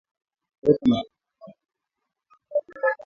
weka matembele pasipo na jua kali